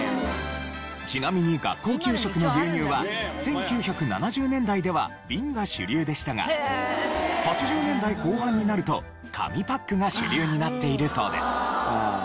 ちなみに学校給食の牛乳は１９７０年代では瓶が主流でしたが８０年代後半になると紙パックが主流になっているそうです。